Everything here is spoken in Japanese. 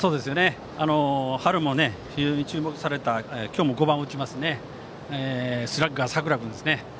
春も非常に注目された今日も５番を打ちますスラッガー、佐倉君ですね。